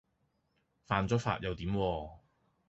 犯咗法又點喎